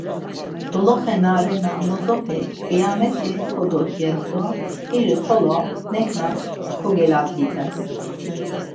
Doloxe na renan bozopek ǩyameti kododges do iri xolo neǩnas kogotazǩides.